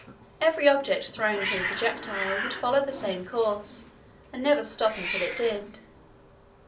Every object thrown from the projectile would follow the same course and never stop until it did.